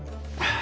あ。